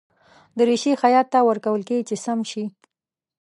دریشي خیاط ته ورکول کېږي چې سم شي.